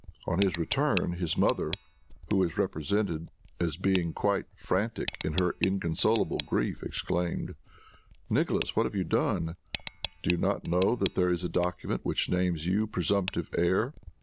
On his return, his mother, who is represented as being quite frantic in her inconsolable grief, exclaimed, "Nicholas, what have you done? Do you not know that there is a document which names you presumptive heir?"